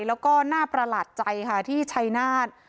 แล้วก็น่าประหลาดใจค่ะที่ชัยนาธ